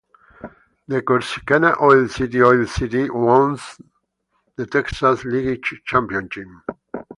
The Corsicana Oil City Oil Citys won the Texas League championship.